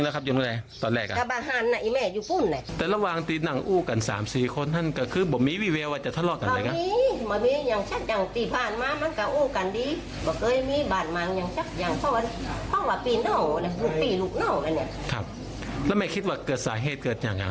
ครับแล้วไม่คิดว่าเกิดสาเหตุเกิดอย่างนั้น